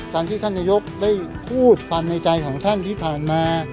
การที่ท่านนายกได้พูดความในใจของท่านที่ผ่านมา